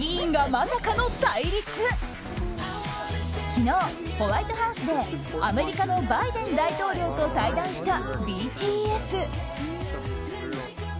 昨日、ホワイトハウスでアメリカのバイデン大統領と対談したＢＴＳ。